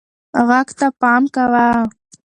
غږ ته پام کوه.